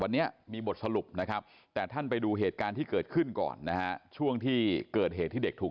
นี่เขาไม่เอาเรื่องหลักหลุมพ่อมาโดนจับหรอ